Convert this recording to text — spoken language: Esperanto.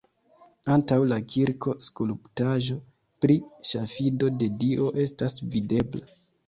Antaŭ la kirko skulptaĵo pri ŝafido de Dio estas videbla.